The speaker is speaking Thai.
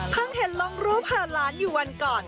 เพิ่งเห็นลองรูปหาล้านอยู่วันก่อน